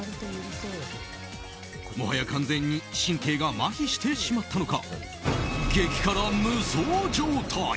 もはや、完全に神経がまひしてしまったのか激辛無双状態。